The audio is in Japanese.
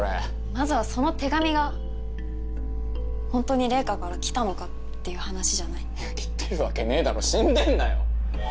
まずはその手紙がホントに玲香から来たのかっていう話じゃない？来てるわけねえだろ死んでんだよ。